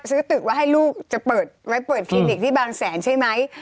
ซื้อตึกไว้ให้ลูกจะเปิดไว้เปิดคลินิกที่บางแสนใช่ไหม